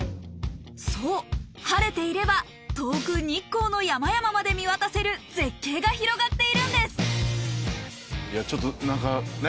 そう晴れていれば遠く日光の山々まで見渡せる絶景が広がっているんですちょっと何かね